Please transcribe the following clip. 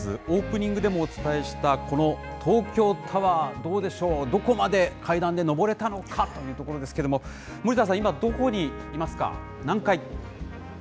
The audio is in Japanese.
オープニングでもお伝えした、この東京タワー、どうでしょう、どこまで階段でのぼれたのかというところですけれども、森田さん、今どこにいますか、何階？